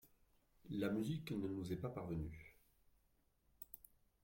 La musique ne nous est pas parvenue.